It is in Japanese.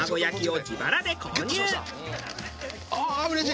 ああーうれしい！